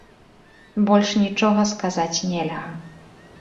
Больш нічога сказаць нельга.